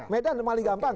medan malah gampang